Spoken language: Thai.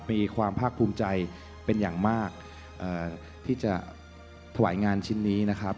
มีความภาคภูมิใจเป็นอย่างมากที่จะถวายงานชิ้นนี้นะครับ